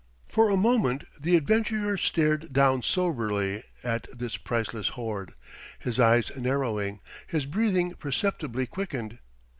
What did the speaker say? For a moment the adventurer stared down soberly at this priceless hoard, his eyes narrowing, his breathing perceptibly quickened.